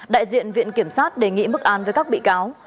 đại diện viện kiểm sát đề nghị mức án với các bị cáo